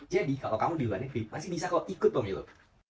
jadi kalau kamu di luar negeri masih bisa kok ikut pemilu